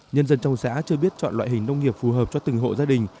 nhân dân trong xã chưa biết chọn loại hình nông nghiệp phù hợp cho từng hộ gia đình